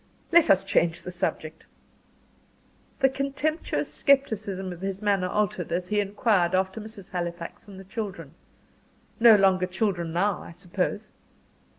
Let us change the subject." The contemptuous scepticism of his manner altered, as he inquired after Mrs. Halifax and the children. "No longer children now, I suppose?"